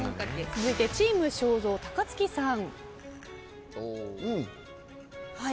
続いてチーム正蔵高月さん。